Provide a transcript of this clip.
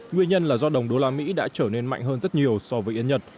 nguyên nhân là do đồng đô la mỹ đã trở nên mạnh hơn rất nhiều so với yên nhật